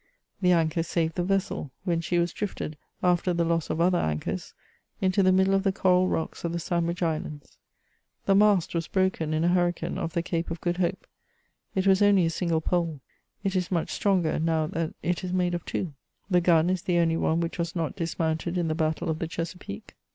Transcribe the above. The anchor saved the vessel, when she was drifted, after the loss of other anchors, into the middle of the coral rocks of the Sandwich Islands. The mast was broken in a hurricane off the Cape of Grood Hope ; it was only a single pole ; it is much stronger now that it is made of two. The gun is the only one which was not dismounted in the battle of the Chesapeake.